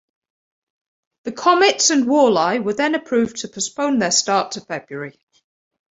The Komets and Walleye were then approved to postpone their start to February.